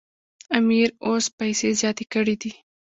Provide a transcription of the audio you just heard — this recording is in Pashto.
امیر اوس پیسې زیاتې کړي دي.